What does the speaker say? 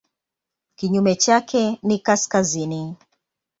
Kinyume chake ni kaskazini.